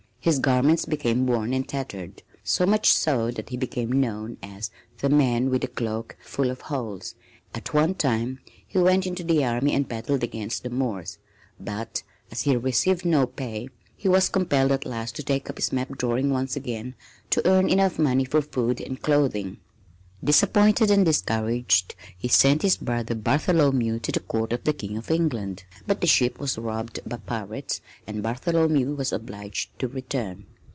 His garments became worn and tattered, so much so that he became known as "the man with the cloak full of holes." At one time he went into the army and battled against the Moors, but as he received no pay, he was compelled at last to take up his map drawing once again to earn enough money for food and clothing. Disappointed and discouraged he sent his brother Bartholomew to the Court of the King of England, but the ship was robbed by pirates and Bartholomew was obliged to return.